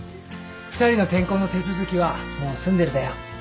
２人の転校の手続きはもう済んでるだよ。